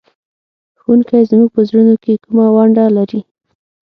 ښوونکی زموږ په روزنه کې کومه ونډه لري؟